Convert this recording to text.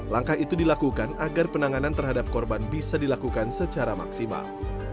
langkah itu dilakukan agar penanganan terhadap korban bisa dilakukan secara maksimal